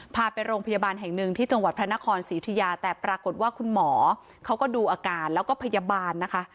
พาไปโรงพยาบาลแห่งหนึ่งที่จังหวัดพระนครศรีอุทิยาแต่ปรากฏว่าคุณหมอเขาก็ดูอาการแล้วก็พยาบาลนะคะ